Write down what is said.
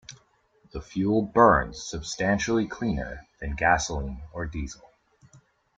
The fuel burns substantially cleaner than gasoline or diesel.